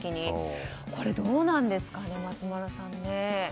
どうなんですかね、松丸さん。